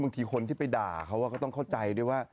บางทีที่คนที่ไปด่าเข้าก็ต้องเข้าใจ